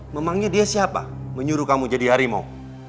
memangnya dia siapa menyuruh kamu jadi harimau